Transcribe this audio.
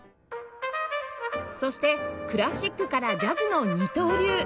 そしてクラシックからジャズの二刀流